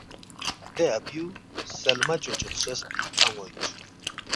“ دے اپیُو سلمہ چوچو خسوسپی ان٘و اِنسُوک